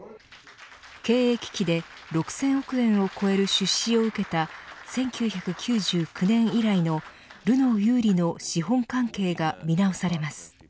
経営危機で６０００億円を超える出資を受けた１９９９年以来のルノー有利の資本関係が見直されます。